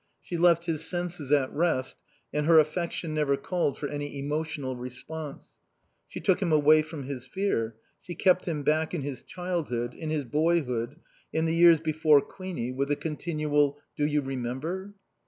She left his senses at rest, and her affection never called for any emotional response. She took him away from his fear; she kept him back in his childhood, in his boyhood, in the years before Queenie, with a continual, "Do you remember?"